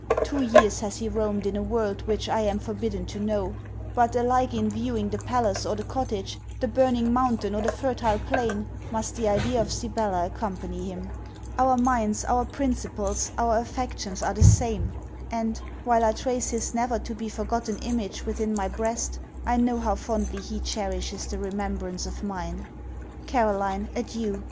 Two years has he roamed in a world which I am forbidden to know. But, alike in viewing the palace or the cottage, the burning mountain or the fertile plain, must the idea of Sibella accompany him. Our minds, our principles, our affections are the same; and, while I trace his never to be forgotten image within my breast, I know how fondly he cherishes the remembrance of mine. Caroline, adieu!